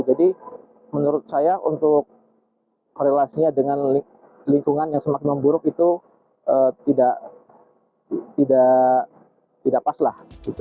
jadi menurut saya untuk korelasinya dengan lingkungan yang semakin memburuk itu tidak pas lah